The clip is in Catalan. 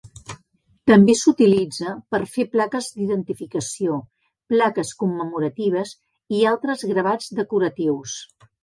També s'utilitza per fer plaques d'identificació, plaques commemoratives i altres gravats decoratius.